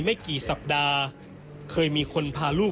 แม่จะมาเรียกร้องอะไร